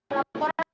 berarti ini pak